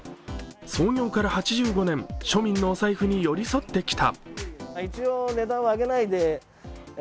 創業から８５年、庶民のお財布に寄り添ってきた。